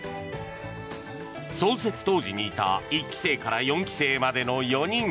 創設当時にいた１期生から４期生までの４人。